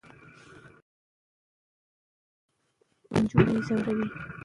پوښتنه دا ده چې تعلیم ولې باید بند سي؟